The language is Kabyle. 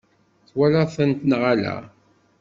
Twalaḍ-tent neɣ ala?